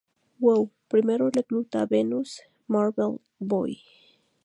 Woo primero recluta a Venus y Marvel Boy.